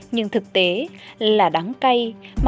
nhưng thực tế là đáng cay